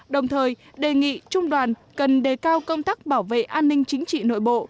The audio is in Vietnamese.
đồng thời đề nghị trung đoàn cần đề cao công tác bảo vệ an ninh chính trị nội bộ